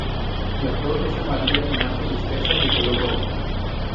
La flor es amarilla con manchas dispersas de color rojo.